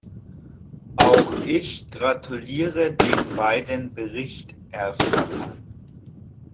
Auch ich gratuliere den beiden Berichterstattern.